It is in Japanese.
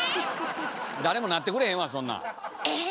誰もなってくれへんわそんなん！え。